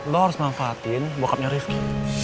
lo harus manfaatin bokapnya rifki